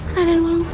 raden malang susah